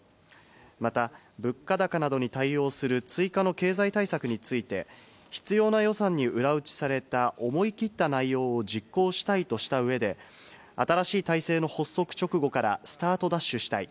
また、物価高などに対応する追加の経済対策について、必要な予算に裏打ちされた思い切った内容を実行したいとしたうえで、新しい体制の発足直後からスタートダッシュしたい。